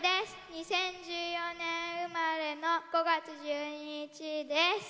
２０１４年生まれの５月１２日です。